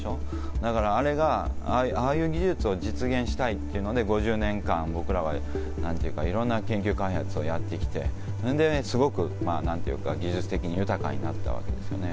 だから、あれが、ああいう技術を実現したいっていうので、５０年間、僕らはなんていうか、いろんな研究開発をやってきて、ほんですごく、なんていうか、技術的に豊かになったわけですよね。